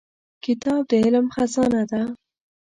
کتاب د علم خزانه ده.